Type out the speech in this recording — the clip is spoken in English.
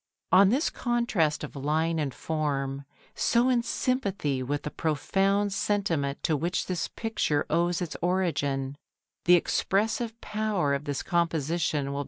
On this contrast of line and form, so in sympathy with the profound sentiment to which this picture owes its origin, the expressive power of this composition will be found to depend.